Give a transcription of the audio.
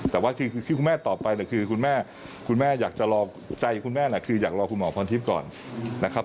แต่ว่าคือคุณแม่ต่อไปคือคุณแม่อยากจะรอใจคุณแม่คืออยากรอคุณหมอพรทิพย์ก่อนนะครับ